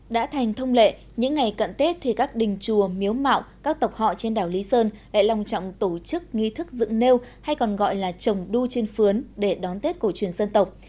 đã thành thông lệ những ngày cận tết thì các đình chùa miếu mạo các tộc họ trên đảo lý sơn lại lòng trọng tổ chức nghi thức dựng nêu hay còn gọi là trồng đu trên phướn để đón tết cổ truyền dân tộc